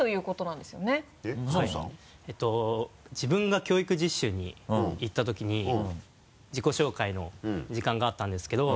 自分が教育実習に行ったときに自己紹介の時間があったんですけど。